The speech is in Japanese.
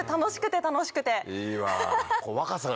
いいわ。